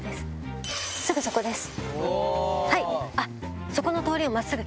すぐそこです。